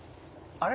あれ？